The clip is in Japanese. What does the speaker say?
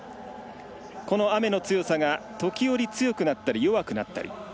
この雨の強さが時折、強くなったり弱くなったり。